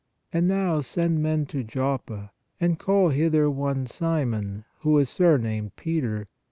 And now send men to Joppe, and call hither one Simon, who is sur named Peter.